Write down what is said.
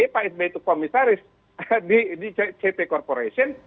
pak sby itu komisaris di cp corporation